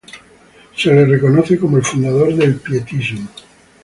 Se le reconoce como el fundador del pietismo.